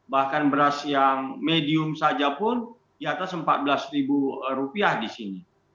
bahkan beras yang medium saja pun di atas rp empat belas di sini